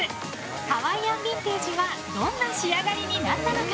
ハワイアンビンテージはどんな仕上がりになったのか。